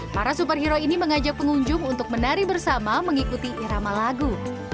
para superhero ini mengajak pengunjung untuk menari bersama mengikuti irama lagu